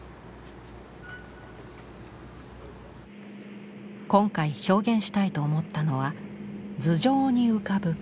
今回表現したいと思ったのは頭上に浮かぶ雲。